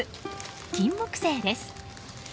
キンモクセイです。